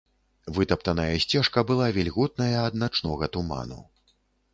Вытаптаная сцежка была вільготная ад начнога туману.